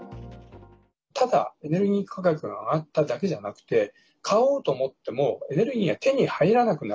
ただ、エネルギー価格が上がっただけじゃなくて買おうと思ってもエネルギーが手に入らなくなる。